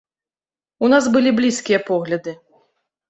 У нас былі блізкія погляды.